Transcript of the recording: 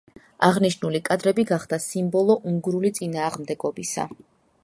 აღნიშნული კადრები გახდა სიმბოლო უნგრული წინააღმდეგობისა.